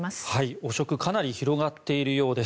汚職かなり広がっているようです。